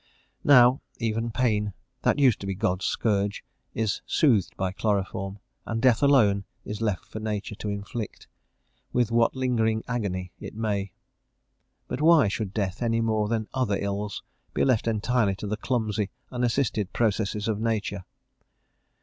Now, even pain, that used to be God's scourge, is soothed by chloroform, and death alone is left for nature to inflict, with what lingering agony it may. But why should death, any more than other ills, be left entirely to the clumsy, unassisted processes of nature?